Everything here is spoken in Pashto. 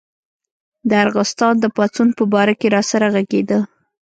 د ارغستان د پاڅون په باره کې راسره غږېده.